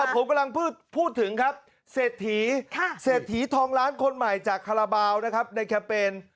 ผมกำลังพูดถึงครับเศรษฐีเศรษฐีทองล้านคนใหม่จากคาราบาลนะครับในแคมเปญ